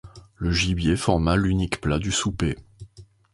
Le gibier forma l’unique plat du souper